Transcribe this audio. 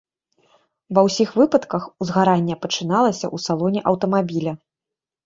Ва ўсіх выпадках узгаранне пачыналася ў салоне аўтамабіля.